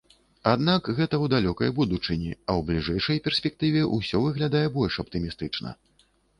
Аднак гэта ў далёкай будучыні, а ў бліжэйшай перспектыве ўсё выглядае больш аптымістычна.